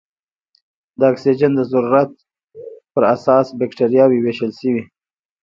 د اکسیجن د ضرورت په اساس بکټریاوې ویشل شوې.